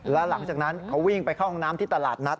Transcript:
แล้วหลังจากนั้นเขาวิ่งไปเข้าห้องน้ำที่ตลาดนัด